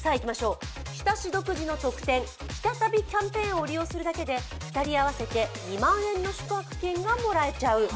日田市独自の特典・ひた旅キャンペーンを利用するだけで２人合わせて２万円の宿泊券がもらえちゃう。